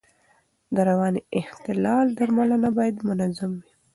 د رواني اختلال درملنه باید منظم وي.